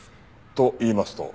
と言いますと？